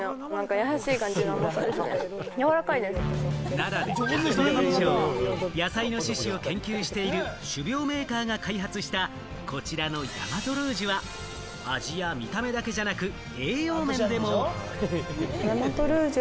奈良で１００年以上、野菜の種子を研究している種苗メーカーが開発した、こちらの大和ルージュは味や見た目だけじゃなく、栄養面でも。